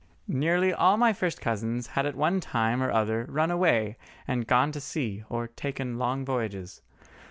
Nearly all my first cousins had at one time or other run away and gone to sea or taken long voyages.